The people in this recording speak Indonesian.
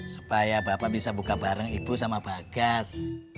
supaya bapak bisa buka bareng ibu sama bagas